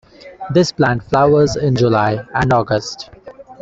This plant flowers in July and August.